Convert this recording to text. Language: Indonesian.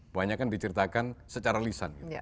banyak kan diceritakan secara lisan